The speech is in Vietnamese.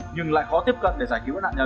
nhưng lại khó tiếp cận để giải cứu các nạn nhân